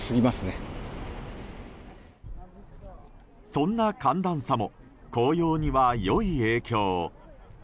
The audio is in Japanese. そんな寒暖差も紅葉には良い影響。